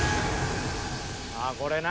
［ああこれな］